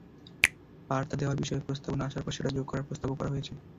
বার্তা দেওয়ার বিষয়ে প্রস্তাবনা আসার পর সেটা যোগ করার প্রস্তাবও করা হয়েছে।